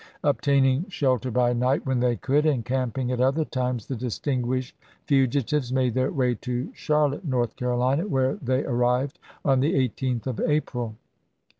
Obtaining shelter by night when they could, and camping at other times, the distinguished fugitives made their way to Charlotte, North Carolina, where they ar ises, rived on the 18th of April.